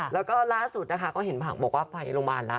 แล้วก็ล่าสุดนะคะก็เห็นผักบอกว่าไปโรงพยาบาลแล้ว